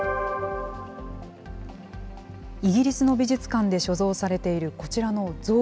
イギリスの美術館で所蔵されているこちらの像。